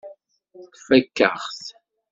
Tfakk-aɣ-t.